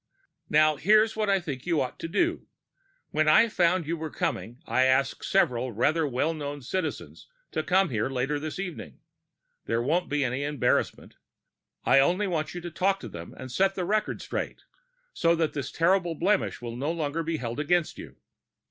"Now here's what I think you ought to do. When I found you were coming, I asked several rather well known Citizens to come here later this evening. There won't be any embarrassment. I only want you to talk to them and set the record straight, so that this terrible blemish will no longer be held against you.